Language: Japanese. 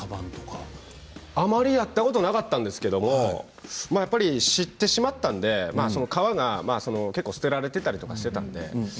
あまりやったことなかったんですけどやっぱり知ってしまったので皮が捨てられていたりしたので。